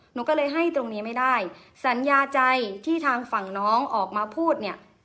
หนูก็เลยให้ตรงนี้ไม่ได้สัญญาใจที่ทางฝั่งน้องออกมาพูดเนี่ย